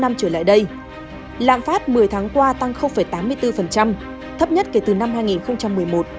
năm trở lại đây lạm phát một mươi tháng qua tăng tám mươi bốn thấp nhất kể từ năm hai nghìn một mươi một